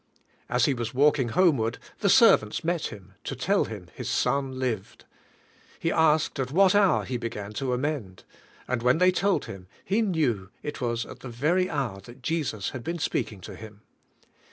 As he was walking homeward, the servants met him, to tell him his son lived. He asked at what hour he began to amend. And when they told him, he knew it was at the ver}^ hour that Jesus had been speaking to him.